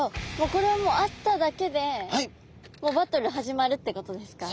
これはもう会っただけでもうバトル始まるってことですか？